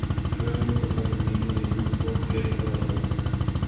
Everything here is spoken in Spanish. Fue un importante miembro del grupo "Gesta Bárbara".